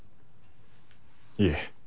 いえ。